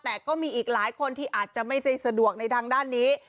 แต่ก็มีอีกหลายคนที่อาจจะไม่ได้สะดวกในทางด้านนี้